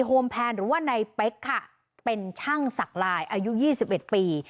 โฮมแพนหรือว่านายเป๊กค่ะเป็นช่างสักลายอายุยี่สิบเอ็ดปี